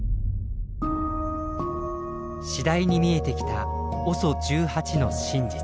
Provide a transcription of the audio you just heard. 次第に見えてきたＯＳＯ１８の真実。